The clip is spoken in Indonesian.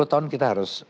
sepuluh tahun kita harus